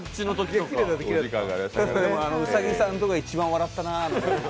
確かに兎さんのところ、一番笑ったな。